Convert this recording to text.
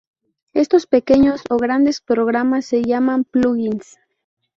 Estos pequeños o grandes programas se llaman plugins.